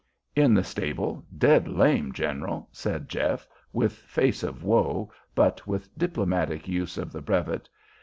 "In the stable, dead lame, general," said Jeff, with face of woe, but with diplomatic use of the brevet.